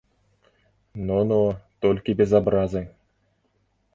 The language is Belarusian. Но, но, толькі без абразы.